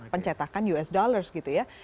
pencetakan us dollars gitu ya